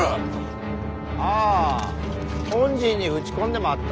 あ本陣に撃ち込んでまった。